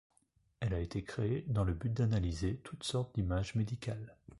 Elle a été créée dans le but d'analyser toute sorte d'images médicales.